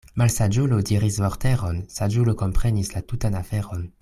Malsaĝulo diris vorteron, saĝulo komprenas la tutan aferon.